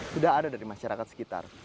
sudah ada dari masyarakat sekitar